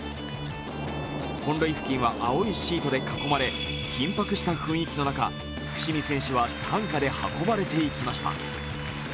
本塁付近は青いシートで囲まれ緊迫した空気の中、伏見選手は担架で運ばれていきました。